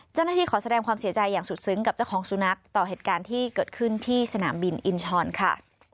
ขอแสดงความเสียใจอย่างสุดซึ้งกับเจ้าของสุนัขต่อเหตุการณ์ที่เกิดขึ้นที่สนามบินอินชรค่ะ